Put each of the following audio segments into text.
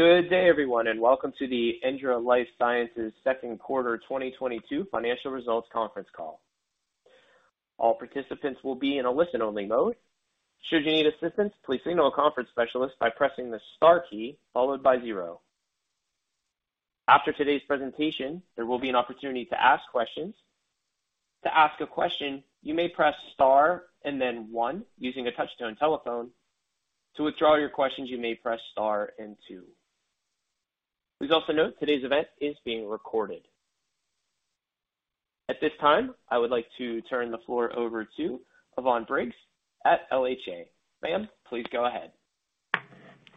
Good day, everyone, and welcome to the ENDRA Life Sciences second quarter 2022 financial results conference call. All participants will be in a listen-only mode. Should you need assistance, please signal a conference specialist by pressing the star key followed by zero. After today's presentation, there will be an opportunity to ask questions. To ask a question, you may press star and then one using a touch-tone telephone. To withdraw your questions, you may press star and two. Please also note today's event is being recorded. At this time, I would like to turn the floor over to Yvonne Briggs at LHA. Ma'am, please go ahead.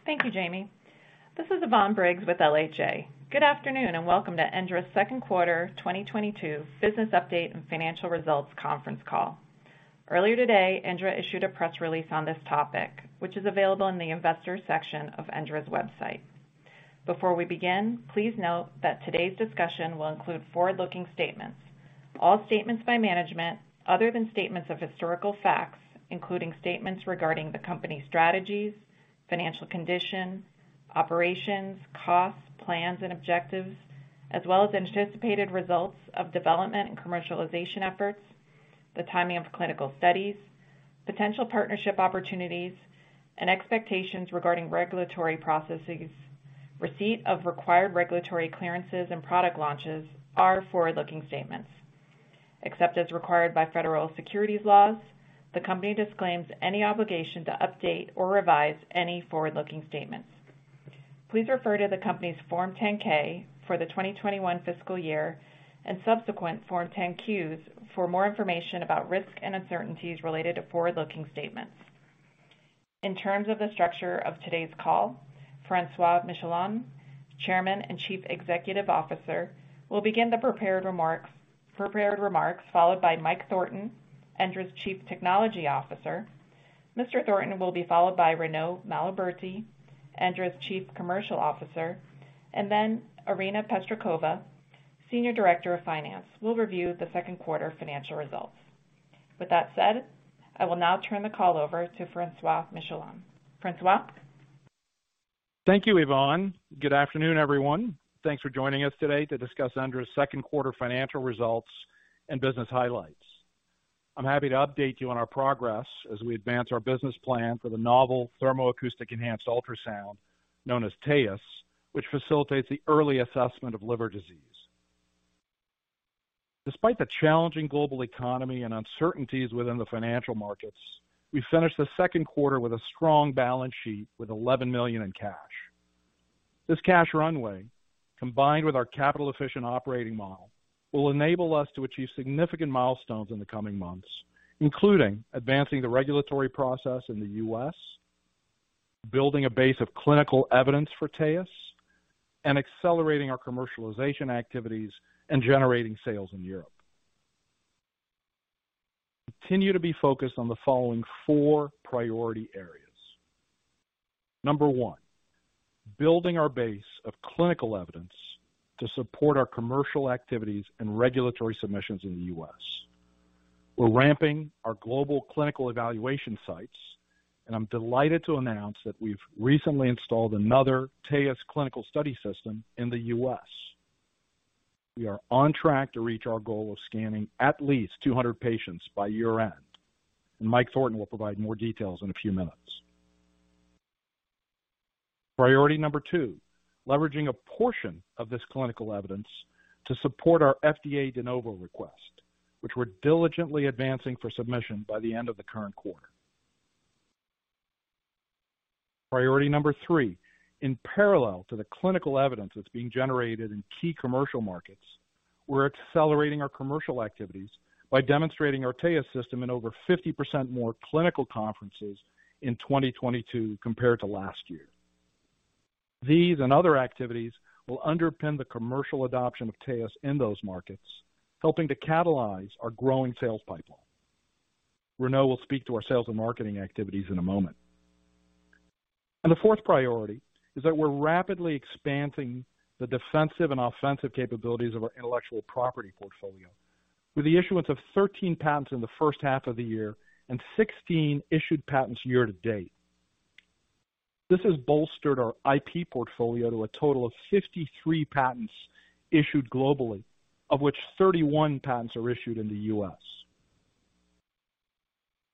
Thank you, Jamie. This is Yvonne Briggs with LHA. Good afternoon, and welcome to ENDRA's second quarter 2022 business update and financial results conference call. Earlier today, ENDRA issued a press release on this topic, which is available in the investors section of ENDRA's website. Before we begin, please note that today's discussion will include forward-looking statements. All statements by management, other than statements of historical facts, including statements regarding the company's strategies, financial condition, operations, costs, plans, and objectives, as well as anticipated results of development and commercialization efforts, the timing of clinical studies, potential partnership opportunities and expectations regarding regulatory processes, receipt of required regulatory clearances and product launches are forward-looking statements. Except as required by federal securities laws, the company disclaims any obligation to update or revise any forward-looking statements. Please refer to the company's Form 10-K for the 2021 fiscal year and subsequent Form 10-Q for more information about risks and uncertainties related to forward-looking statements. In terms of the structure of today's call, Francois Michelon, Chairman and Chief Executive Officer, will begin the prepared remarks followed by Mike Thornton, ENDRA's Chief Technology Officer. Mr. Thornton will be followed by Renaud Maloberti, ENDRA's Chief Commercial Officer, and then Irina Pestrikova, Senior Director of Finance, will review the second quarter financial results. With that said, I will now turn the call over to Francois Michelon. Francois. Thank you, Yvonne. Good afternoon, everyone. Thanks for joining us today to discuss ENDRA's second quarter financial results and business highlights. I'm happy to update you on our progress as we advance our business plan for the novel Thermo-Acoustic Enhanced Ultrasound, known as TAEUS, which facilitates the early assessment of liver disease. Despite the challenging global economy and uncertainties within the financial markets, we finished the second quarter with a strong balance sheet with $11 million in cash. This cash runway, combined with our capital efficient operating model, will enable us to achieve significant milestones in the coming months, including advancing the regulatory process in the U.S., building a base of clinical evidence for TAEUS, and accelerating our commercialization activities and generating sales in Europe. Continue to be focused on the following four priority areas. Number one, building our base of clinical evidence to support our commercial activities and regulatory submissions in the U.S. We're ramping our global clinical evaluation sites, and I'm delighted to announce that we've recently installed another TAEUS clinical study system in the U.S. We are on track to reach our goal of scanning at least 200 patients by year-end, and Mike Thornton will provide more details in a few minutes. Priority number two, leveraging a portion of this clinical evidence to support our FDA De Novo request, which we're diligently advancing for submission by the end of the current quarter. Priority number three, in parallel to the clinical evidence that's being generated in key commercial markets, we're accelerating our commercial activities by demonstrating our TAEUS system in over 50% more clinical conferences in 2022 compared to last year. These and other activities will underpin the commercial adoption of TAEUS in those markets, helping to catalyze our growing sales pipeline. Renaud will speak to our sales and marketing activities in a moment. The fourth priority is that we're rapidly expanding the defensive and offensive capabilities of our intellectual property portfolio with the issuance of 13 patents in the first half of the year and 16 issued patents year to date. This has bolstered our IP portfolio to a total of 53 patents issued globally, of which 31 patents are issued in the U.S.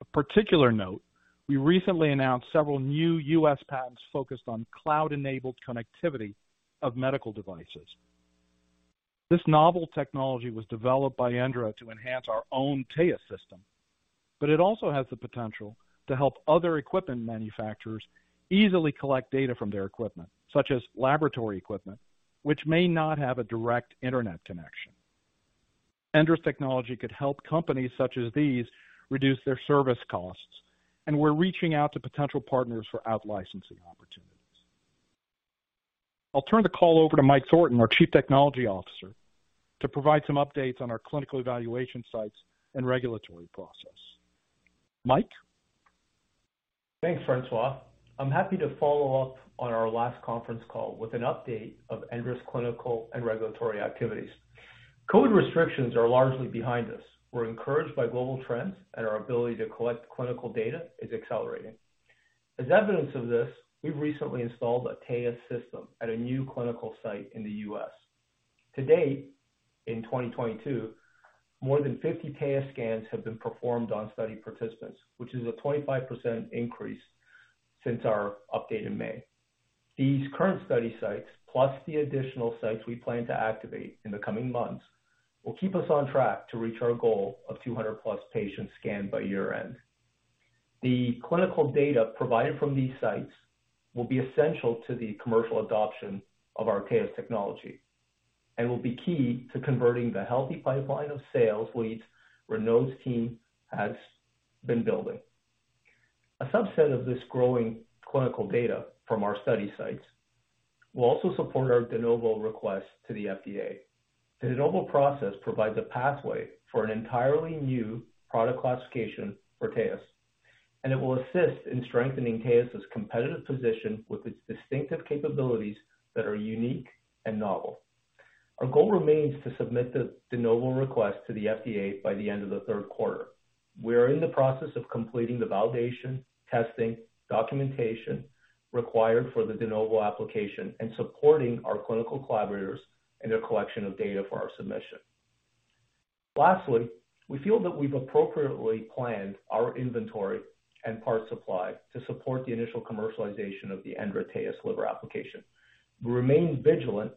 Of particular note, we recently announced several new U.S. patents focused on cloud-enabled connectivity of medical devices. This novel technology was developed by ENDRA to enhance our own TAEUS system, but it also has the potential to help other equipment manufacturers easily collect data from their equipment, such as laboratory equipment, which may not have a direct internet connection. ENDRA's technology could help companies such as these reduce their service costs, and we're reaching out to potential partners for out-licensing opportunities. I'll turn the call over to Mike Thornton, our Chief Technology Officer, to provide some updates on our clinical evaluation sites and regulatory process. Mike. Thanks, Francois. I'm happy to follow up on our last conference call with an update of ENDRA's clinical and regulatory activities. COVID restrictions are largely behind us. We're encouraged by global trends, and our ability to collect clinical data is accelerating. As evidence of this, we've recently installed a TAEUS system at a new clinical site in the U.S. To date, in 2022, more than 50 TAEUS scans have been performed on study participants, which is a 25% increase since our update in May. These current study sites, plus the additional sites we plan to activate in the coming months, will keep us on track to reach our goal of 200+ patients scanned by year-end. The clinical data provided from these sites will be essential to the commercial adoption of our TAEUS technology and will be key to converting the healthy pipeline of sales leads Renaud's team has been building. A subset of this growing clinical data from our study sites will also support our De Novo request to the FDA. The De Novo process provides a pathway for an entirely new product classification for TAEUS, and it will assist in strengthening TAEUS's competitive position with its distinctive capabilities that are unique and novel. Our goal remains to submit the De Novo request to the FDA by the end of the third quarter. We are in the process of completing the validation, testing, documentation required for the De Novo application and supporting our clinical collaborators in their collection of data for our submission. Lastly, we feel that we've appropriately planned our inventory and part supply to support the initial commercialization of the ENDRA TAEUS liver application. We remain vigilant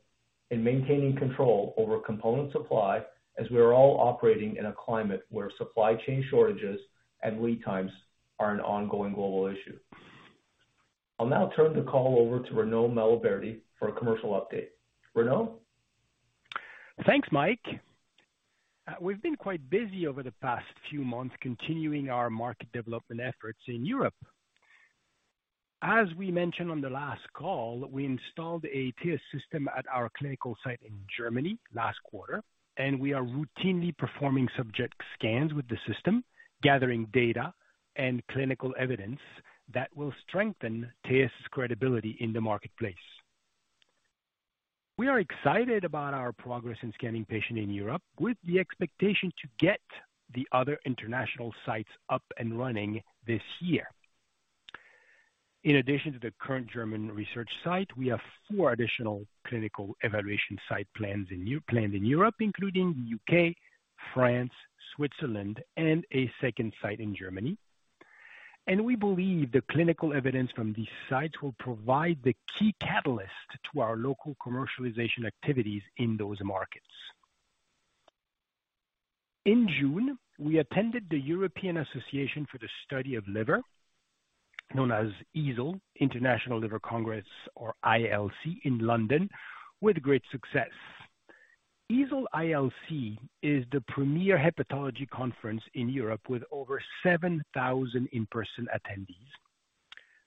in maintaining control over component supply as we are all operating in a climate where supply chain shortages and lead times are an ongoing global issue. I'll now turn the call over to Renaud Maloberti for a commercial update. Renaud? Thanks, Mike. We've been quite busy over the past few months continuing our market development efforts in Europe. As we mentioned on the last call, we installed a TAEUS system at our clinical site in Germany last quarter, and we are routinely performing subject scans with the system, gathering data and clinical evidence that will strengthen TAEUS' credibility in the marketplace. We are excited about our progress in scanning patients in Europe with the expectation to get the other international sites up and running this year. In addition to the current German research site, we have four additional clinical evaluation sites planned in Europe, including the U.K., France, Switzerland, and a second site in Germany. We believe the clinical evidence from these sites will provide the key catalyst to our local commercialization activities in those markets. In June, we attended the European Association for the Study of the Liver, known as EASL, International Liver Congress, or ILC, in London with great success. EASL ILC is the premier hepatology conference in Europe with over 7,000 in-person attendees.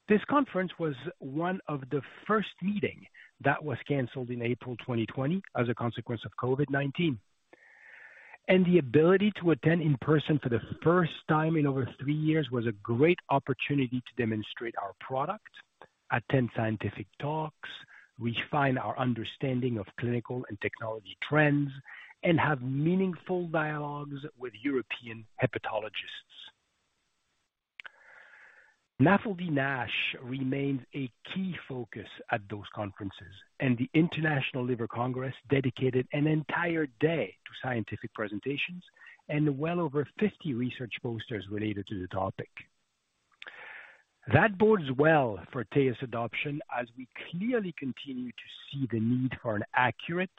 This conference was one of the first meeting that was canceled in April 2020 as a consequence of COVID-19. The ability to attend in person for the first time in over three years was a great opportunity to demonstrate our product, attend scientific talks, refine our understanding of clinical and technology trends, and have meaningful dialogues with European hepatologists. NAFLD/NASH remains a key focus at those conferences, and the International Liver Congress dedicated an entire day to scientific presentations and well over 50 research posters related to the topic. That bodes well for TAEUS adoption as we clearly continue to see the need for an accurate,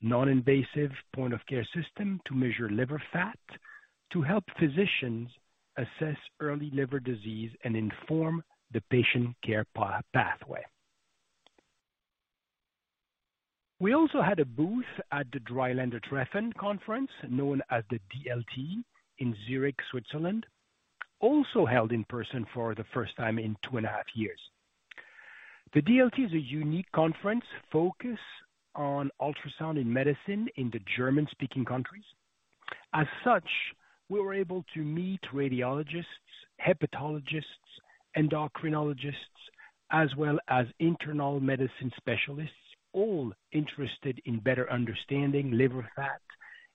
non-invasive point-of-care system to measure liver fat to help physicians assess early liver disease and inform the patient care pathway. We also had a booth at the Dreiländertreffen conference, known as the DLT, in Zurich, Switzerland, also held in person for the first time in two and a half years. The DLT is a unique conference focused on ultrasound in medicine in the German-speaking countries. As such, we were able to meet radiologists, hepatologists, endocrinologists, as well as internal medicine specialists, all interested in better understanding liver fat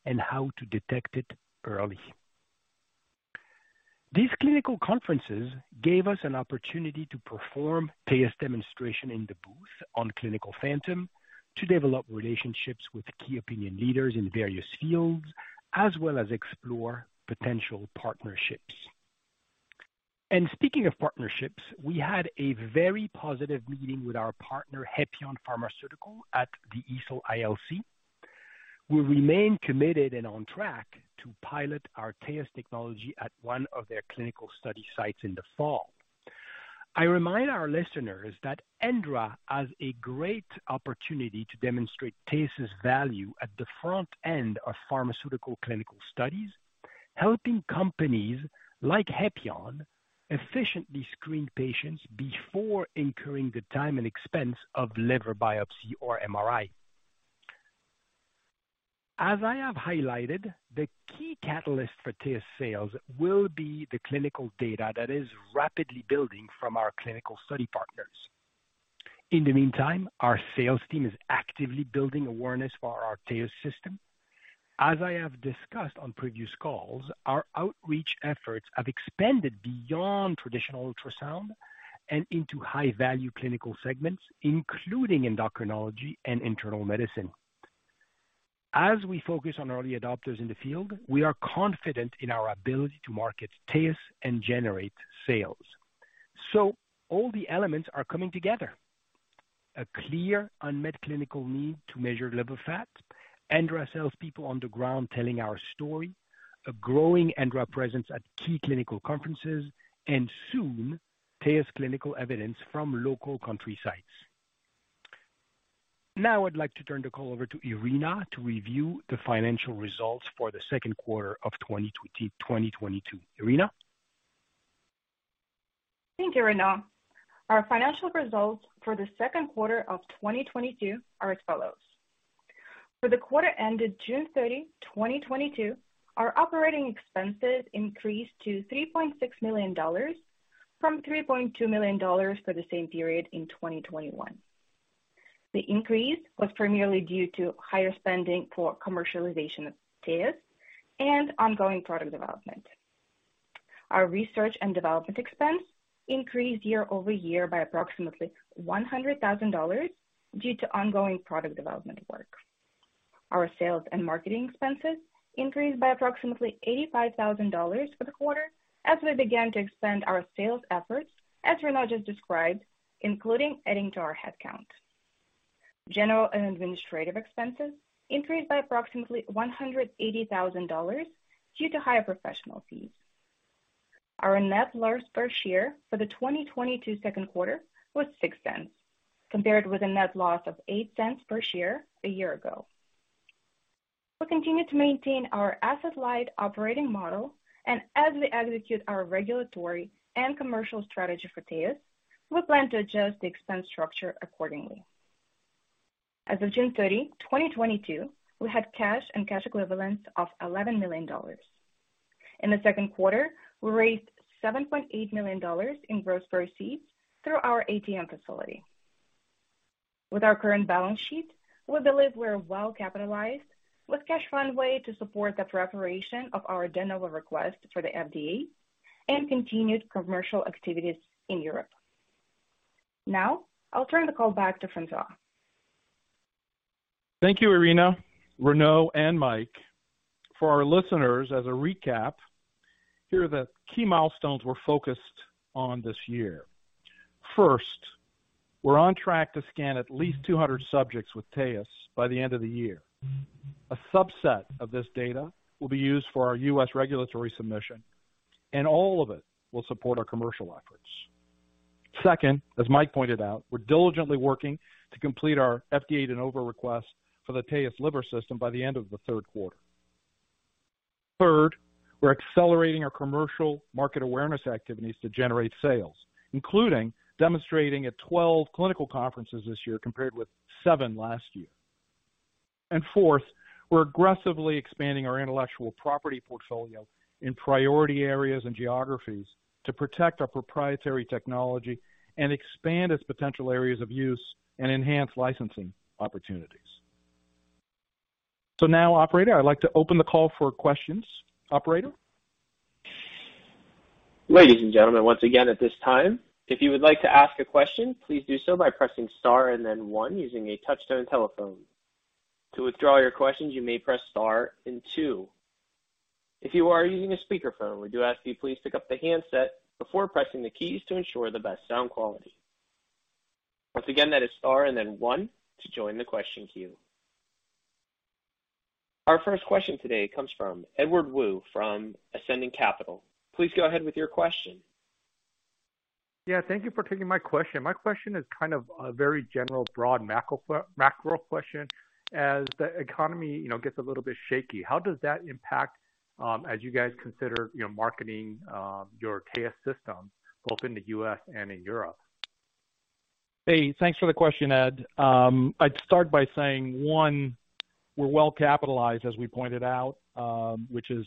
and how to detect it early. These clinical conferences gave us an opportunity to perform TAEUS demonstration in the booth on clinical phantom, to develop relationships with key opinion leaders in various fields, as well as explore potential partnerships. Speaking of partnerships, we had a very positive meeting with our partner, Hepion Pharmaceuticals, at the EASL ILC. We remain committed and on track to pilot our TAEUS technology at one of their clinical study sites in the fall. I remind our listeners that ENDRA has a great opportunity to demonstrate TAEUS's value at the front end of pharmaceutical clinical studies, helping companies like Hepion efficiently screen patients before incurring the time and expense of liver biopsy or MRI. As I have highlighted, the key catalyst for TAEUS sales will be the clinical data that is rapidly building from our clinical study partners. In the meantime, our sales team is actively building awareness for our TAEUS system. As I have discussed on previous calls, our outreach efforts have expanded beyond traditional ultrasound and into high-value clinical segments, including endocrinology and internal medicine. As we focus on early adopters in the field, we are confident in our ability to market TAEUS and generate sales. All the elements are coming together. A clear unmet clinical need to measure liver fat. ENDRA salespeople on the ground telling our story. A growing ENDRA presence at key clinical conferences. Soon, TAEUS clinical evidence from local country sites. Now I'd like to turn the call over to Irina to review the financial results for the second quarter of 2022. Irina. Thank you, Renaud. Our financial results for the second quarter of 2022 are as follows. For the quarter ended June 30, 2022, our operating expenses increased to $3.6 million from $3.2 million for the same period in 2021. The increase was primarily due to higher spending for commercialization of TAEUS and ongoing product development. Our research and development expense increased year-over-year by approximately $100,000 due to ongoing product development work. Our sales and marketing expenses increased by approximately $85,000 for the quarter as we began to expand our sales efforts, as Renaud just described, including adding to our headcount. General and administrative expenses increased by approximately $180,000 due to higher professional fees. Our net loss per share for the 2022 second quarter was $0.06, compared with a net loss of $0.08 per share a year ago. We'll continue to maintain our asset-light operating model, and as we execute our regulatory and commercial strategy for TAEUS, we plan to adjust the expense structure accordingly. As of June 30, 2022, we had cash and cash equivalents of $11 million. In the second quarter, we raised $7.8 million in gross proceeds through our ATM facility. With our current balance sheet, we believe we're well capitalized with cash runway to support the preparation of our De Novo request for the FDA and continued commercial activities in Europe. Now I'll turn the call back to Francois. Thank you, Irina, Renaud, and Mike. For our listeners, as a recap, here are the key milestones we're focused on this year. First, we're on track to scan at least 200 subjects with TAEUS by the end of the year. A subset of this data will be used for our U.S. regulatory submission, and all of it will support our commercial efforts. Second, as Mike pointed out, we're diligently working to complete our FDA De Novo request for the TAEUS liver system by the end of the third quarter. Third, we're accelerating our commercial market awareness activities to generate sales, including demonstrating at 12 clinical conferences this year compared with seven last year. Fourth, we're aggressively expanding our intellectual property portfolio in priority areas and geographies to protect our proprietary technology and expand its potential areas of use and enhance licensing opportunities. Now, operator, I'd like to open the call for questions. Operator? Ladies and gentlemen, once again, at this time, if you would like to ask a question, please do so by pressing star and then one using a touch-tone telephone. To withdraw your questions, you may press star and two. If you are using a speakerphone, we do ask you please pick up the handset before pressing the keys to ensure the best sound quality. Once again, that is star and then one to join the question queue. Our first question today comes from Edward Woo from Ascendiant Capital. Please go ahead with your question. Yeah. Thank you for taking my question. My question is kind of a very general, broad macro question. As the economy, you know, gets a little bit shaky, how does that impact, as you guys consider, you know, marketing, your TAEUS system both in the U.S. and in Europe? Hey, thanks for the question, Ed. I'd start by saying, one, we're well capitalized, as we pointed out, which is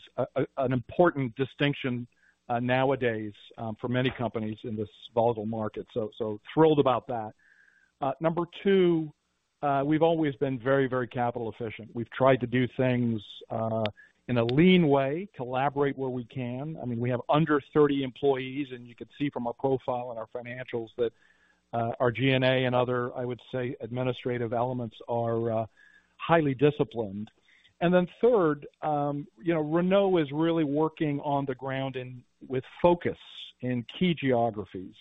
an important distinction nowadays for many companies in this volatile market. Thrilled about that. Number two, we've always been very capital efficient. We've tried to do things in a lean way, collaborate where we can. I mean, we have under 30 employees, and you can see from our profile and our financials that our G&A and other, I would say, administrative elements are highly disciplined. Then third, you know, Renaud is really working on the ground and with focus in key geographies.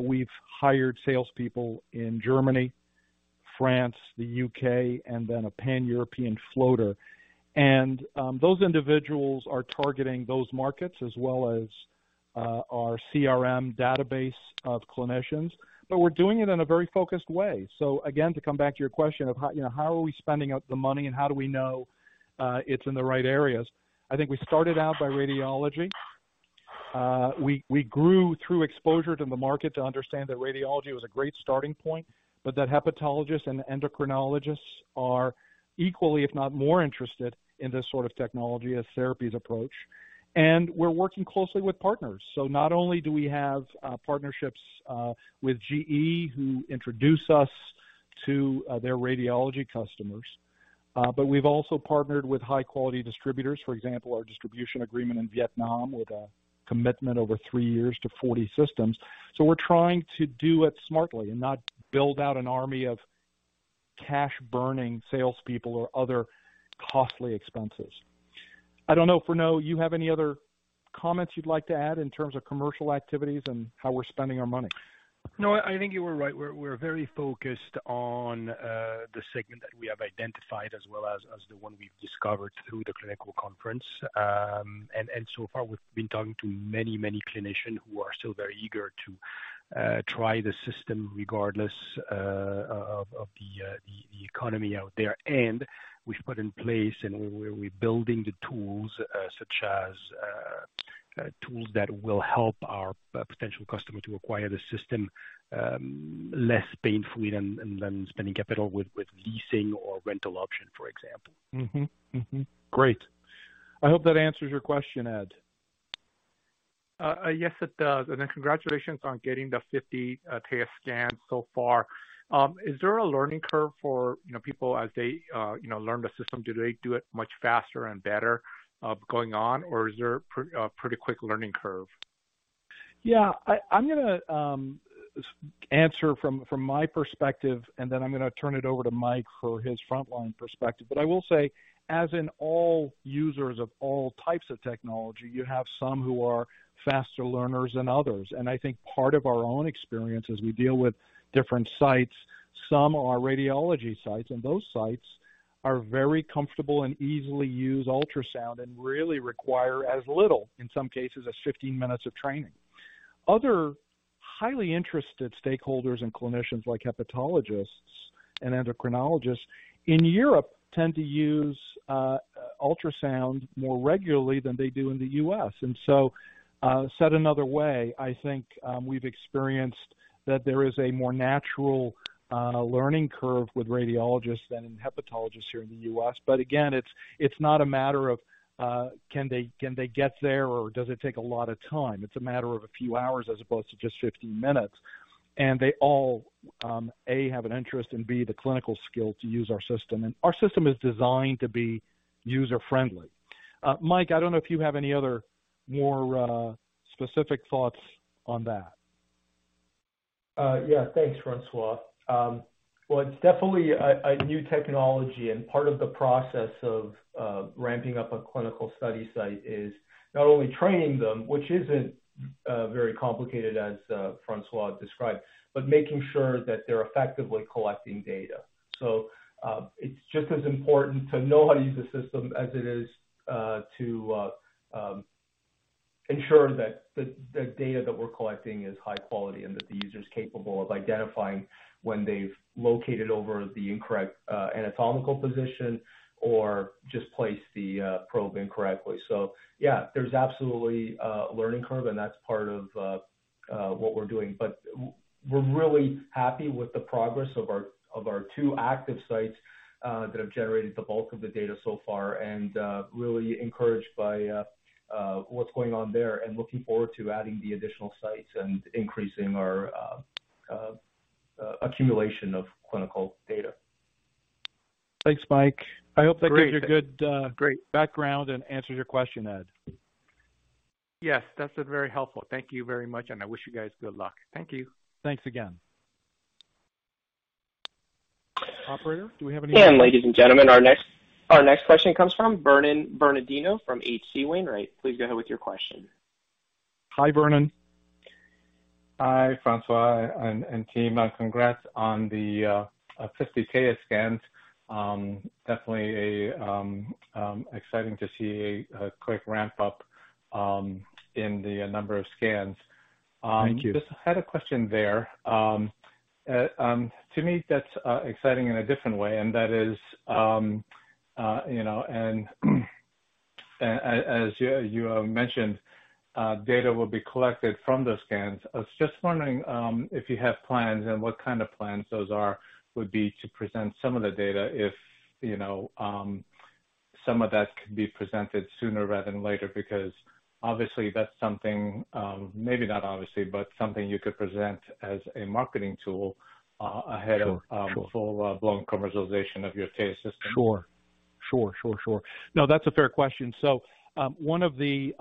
We've hired salespeople in Germany, France, the U.K., and then a Pan-European floater. Those individuals are targeting those markets as well as our CRM database of clinicians, but we're doing it in a very focused way. Again, to come back to your question of how, you know, how are we spending out the money and how do we know it's in the right areas? I think we started out by radiology. We grew through exposure to the market to understand that radiology was a great starting point, but that hepatologists and endocrinologists are equally, if not more interested in this sort of technology as therapies approach. We're working closely with partners. Not only do we have partnerships with GE who introduce us to their radiology customers. We've also partnered with high-quality distributors. For example, our distribution agreement in Vietnam with a commitment over three years to 40 systems. We're trying to do it smartly and not build out an army of cash-burning salespeople or other costly expenses. I don't know if, Renaud, you have any other comments you'd like to add in terms of commercial activities and how we're spending our money. No, I think you were right. We're very focused on the segment that we have identified as well as the one we've discovered through the clinical conference. So far, we've been talking to many clinicians who are still very eager to try the system regardless of the economy out there. We've put in place, and we're rebuilding the tools such as tools that will help our potential customer to acquire the system less painfully than spending capital with leasing or rental option, for example. Great. I hope that answers your question, Ed. Yes, it does. Congratulations on getting the 50 TAEUS scan so far. Is there a learning curve for, you know, people as they, you know, learn the system? Do they do it much faster and better going on, or is there a pretty quick learning curve? Yeah. I'm gonna answer from my perspective, and then I'm gonna turn it over to Mike for his frontline perspective. I will say, as in all users of all types of technology, you have some who are faster learners than others. I think part of our own experience as we deal with different sites, some are radiology sites, and those sites are very comfortable and easily use ultrasound and really require as little, in some cases, as 15 minutes of training. Other highly interested stakeholders and clinicians like hepatologists and endocrinologists in Europe tend to use ultrasound more regularly than they do in the U.S. Said another way, I think, we've experienced that there is a more natural learning curve with radiologists than in hepatologists here in the U.S. Again, it's not a matter of can they get there or does it take a lot of time? It's a matter of a few hours as opposed to just 15 minutes. They all A, have an interest and B, the clinical skill to use our system. Our system is designed to be user-friendly. Mike, I don't know if you have any other more specific thoughts on that. Yeah. Thanks, Francois. Well, it's definitely a new technology, and part of the process of ramping up a clinical study site is not only training them, which isn't very complicated as Francois described, but making sure that they're effectively collecting data. It's just as important to know how to use the system as it is to ensure that the data that we're collecting is high quality and that the user's capable of identifying when they've located over the incorrect anatomical position or just placed the probe incorrectly. Yeah, there's absolutely a learning curve, and that's part of what we're doing. We're really happy with the progress of our two active sites that have generated the bulk of the data so far and really encouraged by what's going on there and looking forward to adding the additional sites and increasing our accumulation of clinical data. Thanks, Mike. Great. I hope that gives you good. Great. background and answers your question, Ed. Yes, that's been very helpful. Thank you very much, and I wish you guys good luck. Thank you. Thanks again. Operator, do we have any other- Ladies and gentlemen, our next question comes from Vernon Bernardino from H.C. Wainwright & Co. Please go ahead with your question. Hi, Vernon. Hi, Francois and team. Congrats on the 50 TAEUS scans. Definitely exciting to see a quick ramp up in the number of scans. Thank you. Just had a question there. To me, that's exciting in a different way, and that is, you know, and as you mentioned, data will be collected from the scans. I was just wondering if you have plans and what kind of plans those are to present some of the data if, you know, some of that could be presented sooner rather than later, because obviously, that's something, maybe not obviously, but something you could present as a marketing tool ahead of. Sure. Sure. full-blown commercialization of your TAEUS system. Sure. No, that's a fair question. So, one of the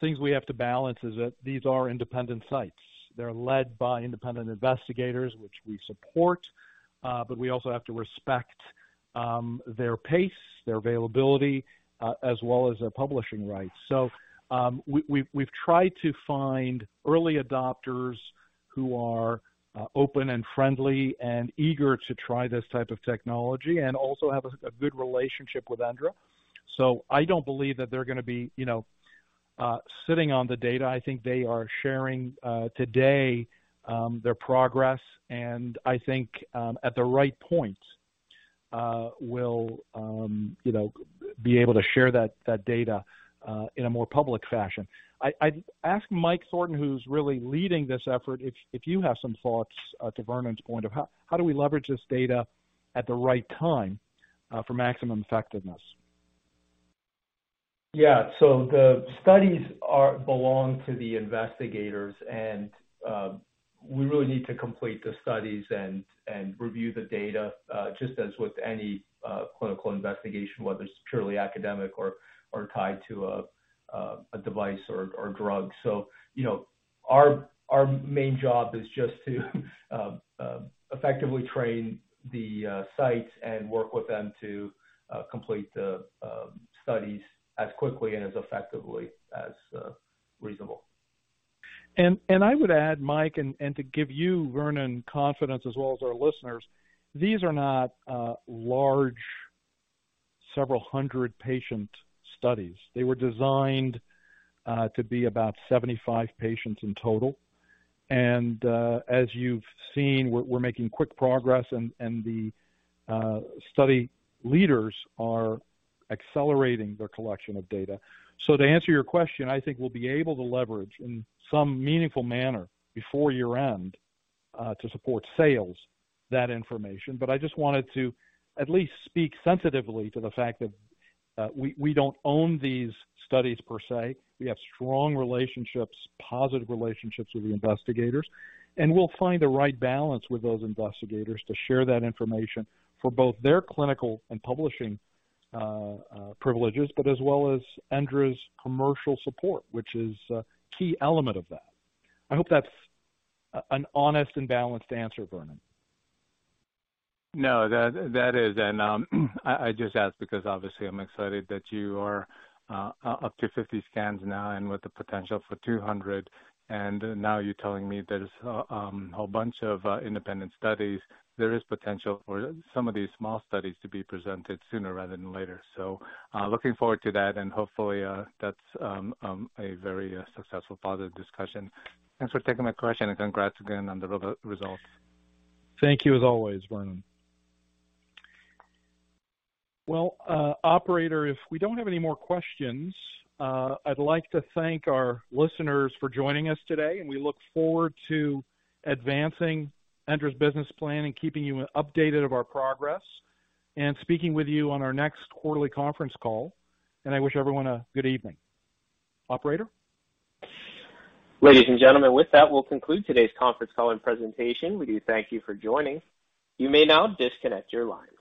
things we have to balance is that these are independent sites. They're led by independent investigators, which we support, but we also have to respect their pace, their availability, as well as their publishing rights. So, we've tried to find early adopters who are open and friendly and eager to try this type of technology and also have a good relationship with ENDRA. So I don't believe that they're gonna be, you know, sitting on the data. I think they are sharing today their progress. I think, at the right point, we'll, you know, be able to share that data in a more public fashion. I ask Mike Thornton, who's really leading this effort, if you have some thoughts to Vernon's point of how do we leverage this data at the right time for maximum effectiveness? Yeah. The studies belong to the investigators, and we really need to complete the studies and review the data, just as with any clinical investigation, whether it's purely academic or tied to a device or drug. You know, our main job is just to effectively train the sites and work with them to complete the studies as quickly and as effectively as reasonable. I would add, Mike, to give you Vernon confidence as well as our listeners, these are not large several hundred patient studies. They were designed to be about 75 patients in total. As you've seen, we're making quick progress and the study leaders are accelerating their collection of data. To answer your question, I think we'll be able to leverage in some meaningful manner before year-end to support sales that information. I just wanted to at least speak sensitively to the fact that we don't own these studies per se. We have strong relationships, positive relationships with the investigators, and we'll find the right balance with those investigators to share that information for both their clinical and publishing privileges, but as well as ENDRA's commercial support, which is a key element of that. I hope that's an honest and balanced answer, Vernon. No, that is. I just asked because obviously I'm excited that you are up to 50 scans now and with the potential for 200, and now you're telling me there's a whole bunch of independent studies. There is potential for some of these small studies to be presented sooner rather than later. Looking forward to that, and hopefully, that's a very successful part of the discussion. Thanks for taking my question, and congrats again on the results. Thank you as always, Vernon. Well, operator, if we don't have any more questions, I'd like to thank our listeners for joining us today, and we look forward to advancing ENDRA's business plan and keeping you updated of our progress, and speaking with you on our next quarterly conference call. I wish everyone a good evening. Operator? Ladies and gentlemen, with that, we'll conclude today's conference call and presentation. We do thank you for joining. You may now disconnect your lines.